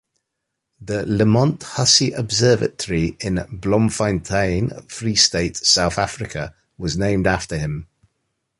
The Lamont-Hussey Observatory in Bloemfontein, Free State, South Africa was named after him.